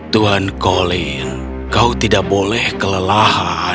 tuan colin kau tidak boleh kelelahan